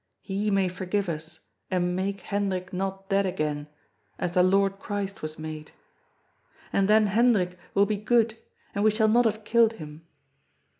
He may forgive us and make Hen drik not dead again, as the Lord Christ was made. And then Hendrik will be good, and we shall not have killed him.